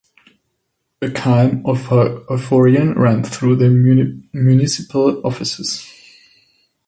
A calm euphoria ran through the municipal offices.